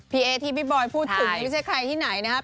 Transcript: พี่เอ๊ที่พี่บอยพูดถึงไม่ใช่ใครที่ไหนนะครับ